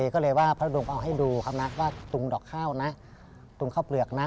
ก็เลยว่าพระดงเอาให้ดูครับนะว่าตุงดอกข้าวนะตุงข้าวเปลือกนะ